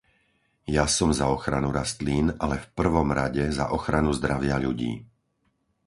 Ja som za ochranu rastlín, ale v prvom rade za ochranu zdravia ľudí.